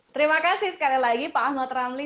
terima kasih sekali lagi pak ahmad ramli